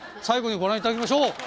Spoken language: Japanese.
最後にご覧いただきましょう。